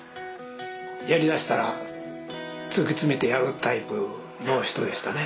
やりだしたら突き詰めてやるタイプの人でしたね。